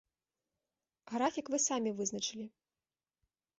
Графік вы самі вызначылі.